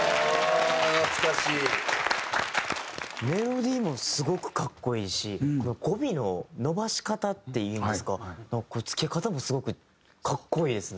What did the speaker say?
メロディーもすごく格好いいし語尾の伸ばし方っていいますかつけ方もすごく格好いいですね。